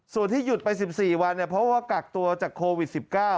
ส่วนที่หยุดไป๑๔วันเพราะว่ากักตัวจากโควิด๑๙